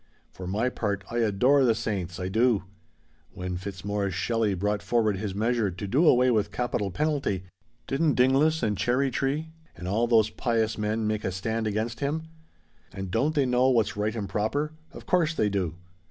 For my part, I adore the saints—I do. When Fitzmorris Shelley brought forward his measure to do away with capital penalty, didn't Dinglis and Cherrytree and all those pious men make a stand against him? And don't they know what's right and proper? Of course they do!